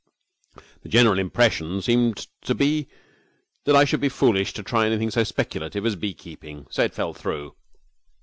'The general impression seemed to be that I should be foolish to try anything so speculative as beekeeping, so it fell through.